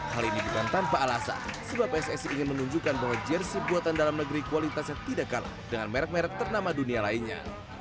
hal ini bukan tanpa alasan sebab pssi ingin menunjukkan bahwa jersey buatan dalam negeri kualitasnya tidak kalah dengan merek merek ternama dunia lainnya